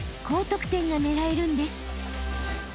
高得点が狙えるんです］